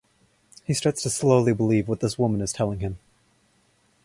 He starts to slowly believe what this woman is telling him.